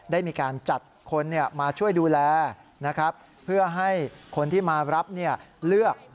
ได้มีการจัดคนมาช่วยดูแลนะครับเพื่อให้คนที่มารับเลือก